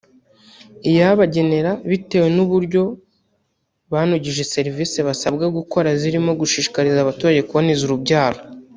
Iyabagenera bitewe n’uburyo banogeje serivisi basabwa gukora zirimo gushishikariza abaturage kuboneza urubyaro